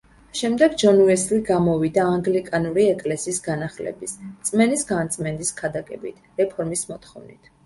შემდეგ ჯონ უესლი გამოვიდა ანგლიკანური ეკლესიის განახლების, რწმენის განწმენდის ქადაგებით, რეფორმის მოთხოვნით.